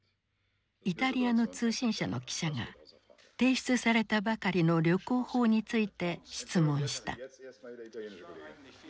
イタリアの通信社の記者が提出されたばかりの旅行法について質問した。